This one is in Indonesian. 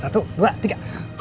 satu dua tiga